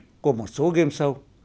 bài viết của một số game show